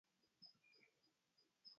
وعاري الشوى والمنكبين من الطوى